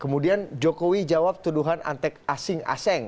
kemudian jokowi jawab tuduhan antek asing aseng